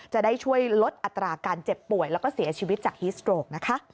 จะได้ช่วยลดอัตราการเจ็บป่วยแล้วก็เสียชีวิตจากฮิสโตรกนะคะ